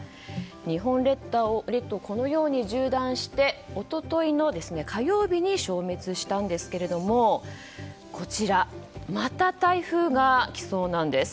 日本列島を縦断して、一昨日の火曜日に消滅したんですがまた台風が来そうなんです。